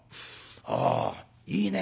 あいいね